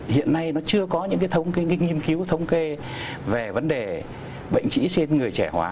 hiện nay nó chưa có những nghiên cứu thống kê về vấn đề bệnh trĩ trên người trẻ hóa